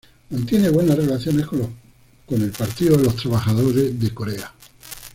Mantiene buenas relaciones con el Partido de los Trabajadores de Corea.